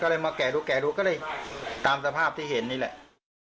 ก็เลยมาแกะดูแกะดูก็เลยตามสภาพที่เห็นนี่แหละ